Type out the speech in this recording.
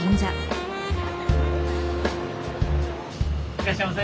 いらっしゃいませ。